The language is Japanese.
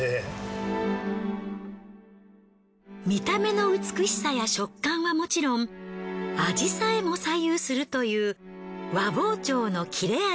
見た目の美しさや食感はもちろん味さえも左右するという和包丁の切れ味。